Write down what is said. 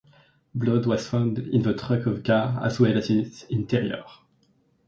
Blood was found in the trunk of the car as well as its interior.